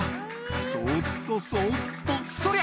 「そっとそっとそりゃ」